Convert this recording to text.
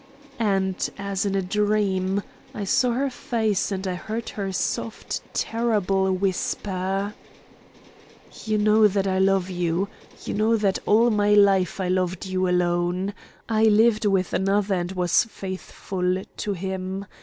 And, as in a dream, I saw her face and I heard her soft terrible whisper: "You know that I love you. You know that all my life I loved you alone. I lived with another and was faithful to him.